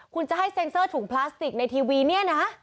คุณจะให้เซ็นเซอร์ถุงพลาสติกในทีวีเนี่ยนะ